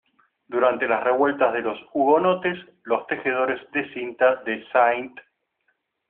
Durante las revueltas de los hugonotes, los tejedores de cinta de St.